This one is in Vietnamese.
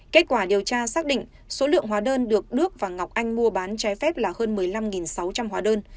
kết quả điều tra xác định số lượng hóa đơn được đức và ngọc anh mua bán trái phép là hơn một mươi năm sáu trăm linh hóa đơn